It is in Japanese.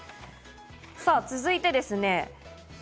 さぁ続いてですね。